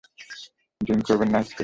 Drink করবেন না আজকে?